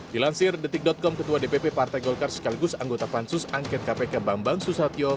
dilansir detik com ketua dpp partai golkar sekaligus anggota pansus angket kpk bambang susatyo